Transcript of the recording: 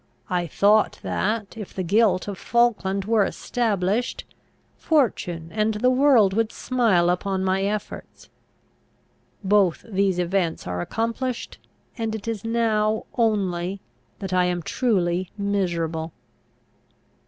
I thought that, if the guilt of Falkland were established, fortune and the world would smile upon my efforts. Both these events are accomplished; and it is now only that I am truly miserable.